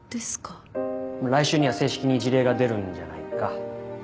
来週には正式に辞令が出るんじゃないか？